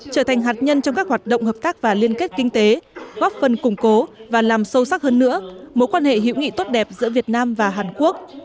trở thành hạt nhân trong các hoạt động hợp tác và liên kết kinh tế góp phần củng cố và làm sâu sắc hơn nữa mối quan hệ hữu nghị tốt đẹp giữa việt nam và hàn quốc